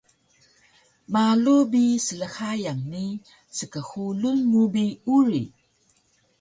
Malu bi slhayan ni skxulun mu bi uri